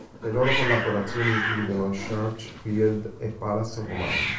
Le loro collaborazioni includono "Charge Field" e "Palace of Mind".